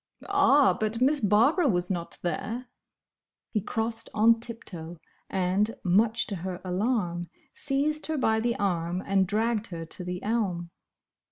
"Ah! but Miss Barbara was not there!" He crossed on tip toe, and, much to her alarm, seized her by the arm and dragged her to the elm.